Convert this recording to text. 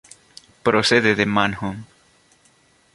Procede de Man-Home.